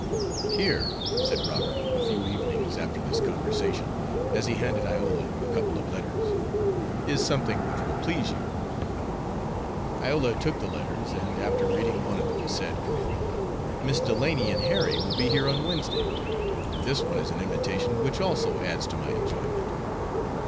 "Here," said Robert, a few evenings after this conversation, as he handed Iola a couple of letters, "is something which will please you." Iola took the letters, and, after reading one of them, said: "Miss Delany and Harry will be here on Wednesday; and this one is an invitation which also adds to my enjoyment."